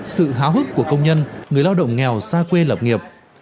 sự háo hức của công nhân người lao động nghèo xa quê lập nghiệp